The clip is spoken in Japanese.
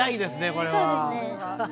これは。